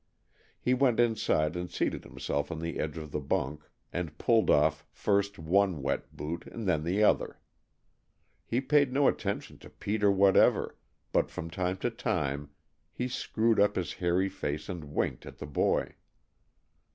He went inside and seated himself on the edge of the bunk and pulled off first one wet boot, and then the other. He paid no attention to Peter whatever but from time to time he screwed up his hairy face and winked at the boy.